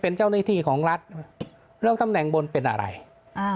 เป็นเจ้าหน้าที่ของรัฐแล้วตำแหน่งบนเป็นอะไรอ่า